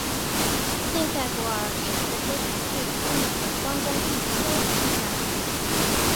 内塞伯尔也是黑海最知名的观光地和度假地。